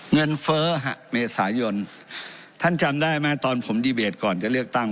เฟ้อฮะเมษายนท่านจำได้ไหมตอนผมดีเบตก่อนจะเลือกตั้ง